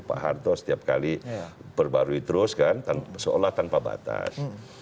pak harto setiap kali perbarui terus kan seolah tanpa batas